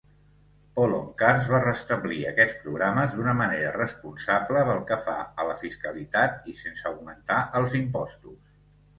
Poloncarz va restablir aquests programes d'una manera responsable pel que fa a la fiscalitat i sense augmentar els impostos.